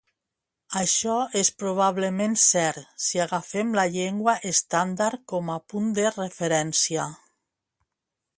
Això és probablement cert si agafem la llengua estàndard com a punt de referència.